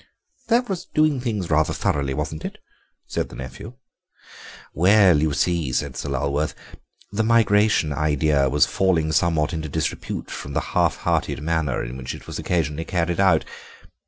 "That was doing things rather thoroughly, wasn't it?" said the nephew. "Well, you see," said Sir Lulworth, "the migration idea was falling somewhat into disrepute from the half hearted manner in which it was occasionally carried out.